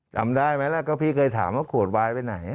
จำได้ไหมล่ะก็พี่เคยถามว่าขวดวายไปไหน